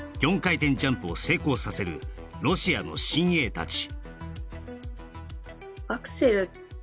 ４回転ジャンプを成功させるロシアの新鋭達